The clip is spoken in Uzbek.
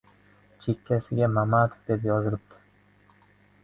— Chekkasiga Mamatov deb yozilibdi.